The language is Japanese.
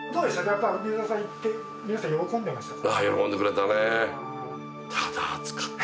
やっぱり梅沢さん行って皆さん喜んでましたか？